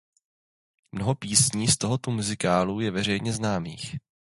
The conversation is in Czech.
Mnoho písní z tohoto muzikálu je veřejně známých.